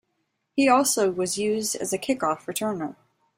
He also was used as a kickoff returner.